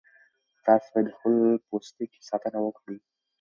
تاسي باید د خپل پوستکي ساتنه وکړئ.